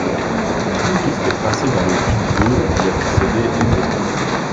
Une piste est tracée dans le but de d'y accéder aisément.